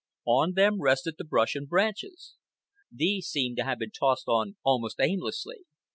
On them rested the brush and branches. These seemed to have been tossed on almost aimlessly.